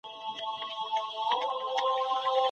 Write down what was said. اسلام د شرک او بدعت د منځه وړلو دین دی.